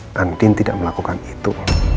nantin tidak melakukan itu